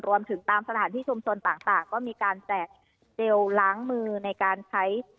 รวมถึงตามสถานที่ชุมชนต่างก็มีการแจกเจลล้างมือในการใช้